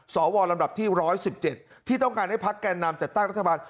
สวลำดับที่๑๑๗ที่ต้องการให้พักแก่นำจัดตั้งรัฐบาล